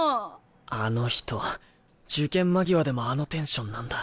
あの人受験間際でもあのテンションなんだ。